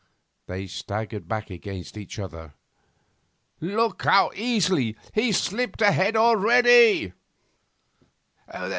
They staggered back against each other. 'Look how easily he's slipped ahead already!